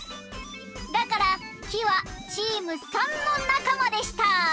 だから「キ」はチーム３のなかまでした！